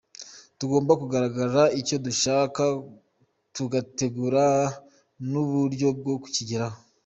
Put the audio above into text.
Tugomba kugaragaza icyo dushaka tugategura n’uburyo bwo kukigeraho”.